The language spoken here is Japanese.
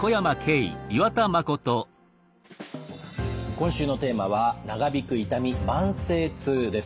今週のテーマは「長引く痛み慢性痛」です。